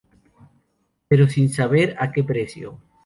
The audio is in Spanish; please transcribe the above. Pero, sin saber a que precio.